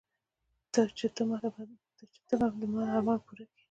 چې ته به د ما ارمان پوره كيې.